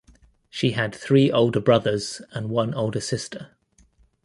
She had three older brothers and one older sister.